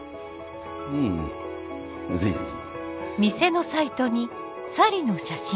うんぜひぜひ。